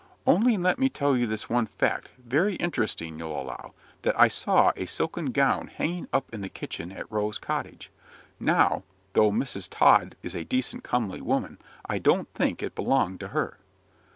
"Only let me tell you this one fact very interesting, you'll allow that I saw a silken gown hanging up in the kitchen at Rose Cottage. Now, though Mrs. Tod is a decent, comely woman, I don't think it belonged to her."